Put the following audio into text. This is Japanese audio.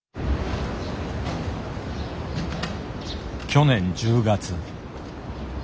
去年１０月。